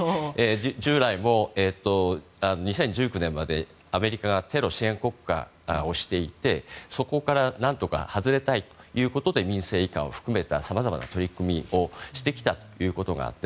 従来も２０１９年までアメリカがテロ支援国家をしていてそこから何とか外れたいということで民政移管を含めたさまざまな取り組みをしてきたということがあって。